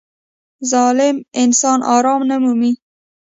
• ظالم انسان آرام نه مومي.